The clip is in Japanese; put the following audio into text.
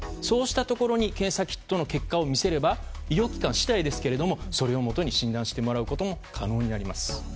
そうしたところに検査キットの結果を見せれば、医療機関しだいですけれども、それをもとに診断してもらうことも可能になります。